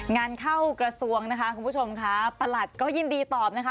งานเข้ากระทรวงนะคะคุณผู้ชมค่ะประหลัดก็ยินดีตอบนะคะ